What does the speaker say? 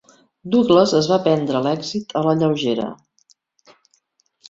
Douglas es va prendre l'èxit a la lleugera.